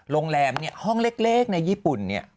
โรงแรมห้องเล็กในญี่ปุ่นนี้